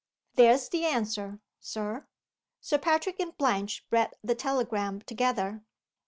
"There's the answer, Sir." Sir Patrick and Blanche read the telegram together.